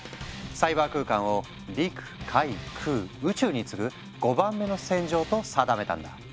サイバー空間を陸海空宇宙に次ぐ５番目の戦場と定めたんだ。